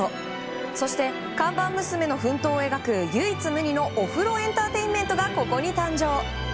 そして、看板娘の奮闘を描く唯一無二のお風呂エンターテインメントがここに誕生！